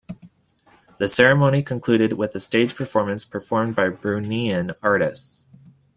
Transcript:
The ceremony concluded with a stage performance performed by Bruneian artists.